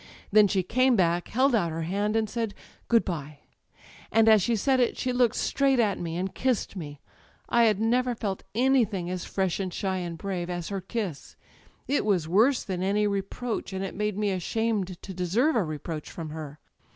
Then she came back, held out her hand, and said: * Good bye.' And as she said it she looked straight at me and kissed me. I had never felt anything as fresh and shy and brave as her [ «51 ] Digitized by LjOOQ IC THE EYES kiss. It was worse than any reproach, and it made me ashamed to deserve a reproach from her.